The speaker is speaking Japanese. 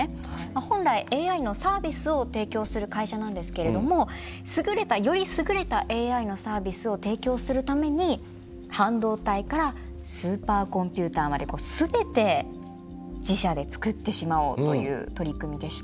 本来ＡＩのサービスを提供する会社なんですけれども優れたより優れたＡＩのサービスを提供するために半導体からスーパーコンピューターまで全て自社でつくってしまおうという取り組みでした。